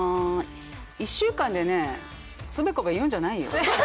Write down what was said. １週間でつべこべ言うんじゃないよ。